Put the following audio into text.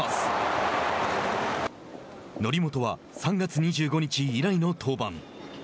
則本は３月２５日以来の登板。